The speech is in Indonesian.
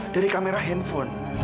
dari kamera handphone